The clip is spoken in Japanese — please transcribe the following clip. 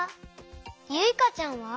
ゆいかちゃんは？